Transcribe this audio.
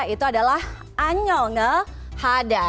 itu adalah anyonghada